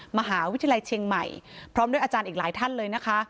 มหาวิทยาลัยเชียงใหม่พร้อมด้วยอาจารย์อีกหลายท่านเลยนะคะ